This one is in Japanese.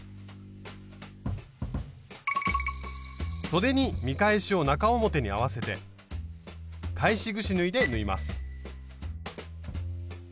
そでに見返しを中表に合わせて返しぐし縫いで縫います。